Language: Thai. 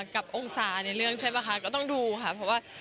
กับองศาในเรื่องใช่ป่ะคะก็ต้องดูค่ะเพราะว่า